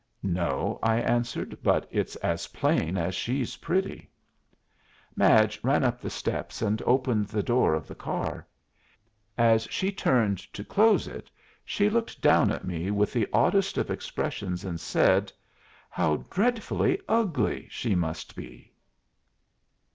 "No," I answered. "But it's as plain as she's pretty." Madge ran up the steps and opened the door of the car. As she turned to close it, she looked down at me with the oddest of expressions, and said, "How dreadfully ugly she must be!"